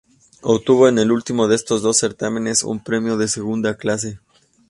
Obtuvo en el último de estos dos certámenes un premio de segunda clase.